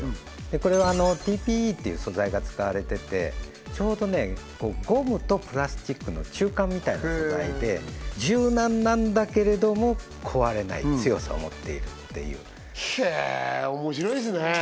これはＴＰＥっていう素材が使われててちょうどねゴムとプラスチックの中間みたいな素材で柔軟なんだけれども壊れない強さを持っているっていうへえ面白いですね